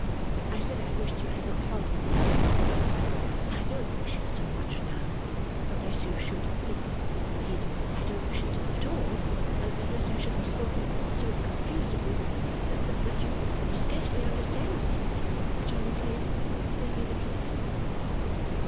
I said I wished you had not followed me, sir. I don't wish it so much now, unless you should think indeed I don't wish it at all, unless I should have spoken so confusedly, that that you can scarcely understand me, which I am afraid may be the case.